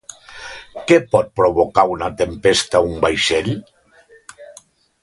Què pot provocar una tempesta a un vaixell?